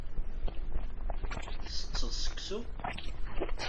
Ttetteḍ seksu?